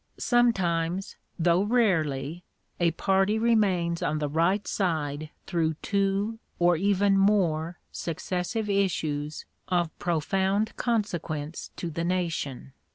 Sometimes, though rarely, a party remains on the right side through two or even more successive issues of profound consequence to the nation.